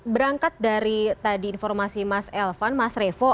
berangkat dari tadi informasi mas elvan mas revo